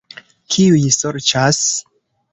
Kiuj sorĉas?